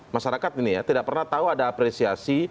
masyarakat ini ya tidak pernah tahu ada apresiasi